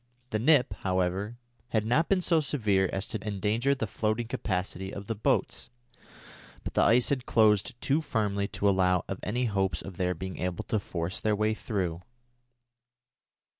The nip, however, had not been so severe as to endanger the floating capacity of the boats, but the ice had closed too firmly to allow of any hopes of their being able to force their way through.